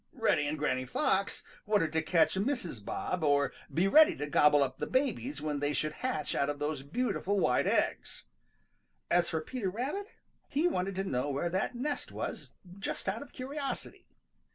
Reddy and Granny Fox wanted to catch Mrs. Bob or be ready to gobble up the babies when they should hatch out of those beautiful white eggs. As for Peter Rabbit, he wanted to know where that nest was just out of curiosity.